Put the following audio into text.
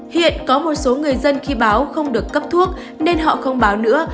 hiện có một số người dân khi báo không được cấp thuốc nên họ không báo nữa